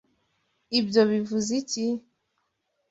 Ibyo bivuze iki?